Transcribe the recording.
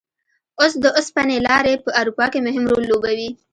اوس د اوسپنې لارې په اروپا کې مهم رول لوبوي.